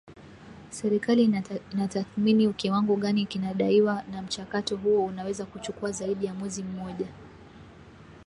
Serikali inatathmini kiwango gani kinadaiwa na mchakato huo unaweza kuchukua zaidi ya mwezi mmoja.